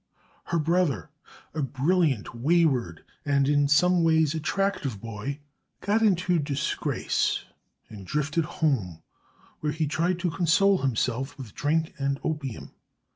Her brother, a brilliant, wayward, and in some ways attractive boy, got into disgrace, and drifted home, where he tried to console himself with drink and opium.